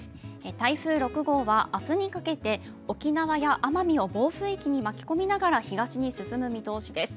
台風６号は明日にかけて沖縄や奄美を暴風域に巻き込みながら東に進む見通しです。